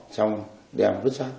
trong đèn vứt sát